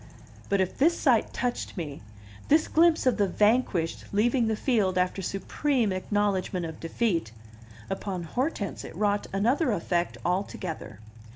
But if this sight touched me, this glimpse of the vanquished leaving the field after supreme acknowledgment of defeat, upon Hortense it wrought another effect altogether.